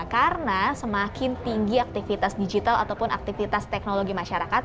karena semakin tinggi aktivitas digital ataupun aktivitas teknologi masyarakat